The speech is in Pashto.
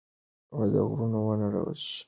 غرونه ونړول شول.